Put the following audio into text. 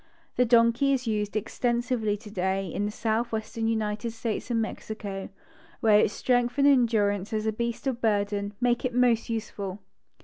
The donkey is used extensively today in the southwestern United States and Mexico, where its strength and endurance as a beast cf bürden make it most useful.